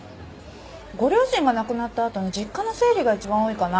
ご両親が亡くなったあとの実家の整理が一番多いかな。